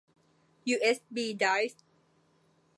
ยูเอสบีไดรฟ์